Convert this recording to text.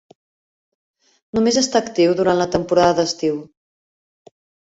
Només està actiu durant la temporada d'estiu.